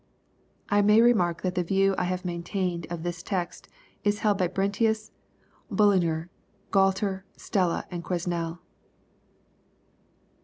I may remark that the view I have maintained of this text is held by Brentius, Bullinger, Grualter, Stella, and Quesnel.